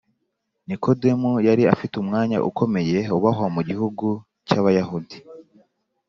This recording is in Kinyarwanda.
Nikodemo yari afite umwanya ukomeye wubahwa mu gihugu cy’Abayahudi.